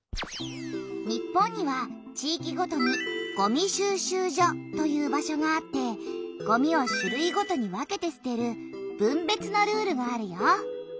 日本には地いきごとにごみ収集所という場所があってごみを種類ごとに分けてすてる分別のルールがあるよ。